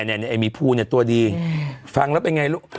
เนี่ยไอ้มีผู้เนี่ยตัวดีฟังแล้วเป็นยังไงลูก